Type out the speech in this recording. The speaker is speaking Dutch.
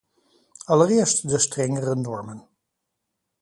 Allereerst de strengere normen.